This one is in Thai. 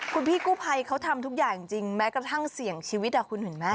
คุณพี่กู้ภัยเขาทำทุกอย่างจริงแม้กระทั่งเสี่ยงชีวิตคุณเห็นไหม